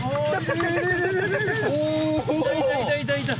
いたいたいたいた。